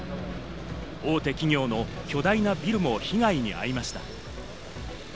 大手企業の巨大なビルも被害に遭いました。